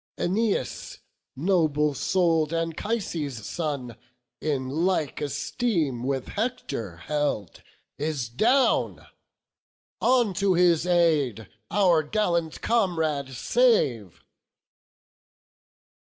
Æneas, noble soul'd Anchises' son, In like esteem with Hector held, is down; On to his aid! our gallant comrade save!"